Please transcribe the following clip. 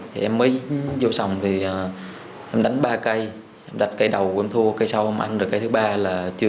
thì em mới vô sòng thì em đánh ba cây em đặt cây đầu em thua cây sau em ăn được cây thứ ba là chưa